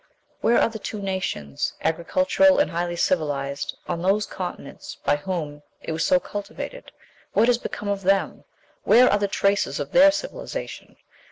Where are the two nations, agricultural and highly civilized, on those continents by whom it was so cultivated? What has become of them? Where are the traces of their civilization?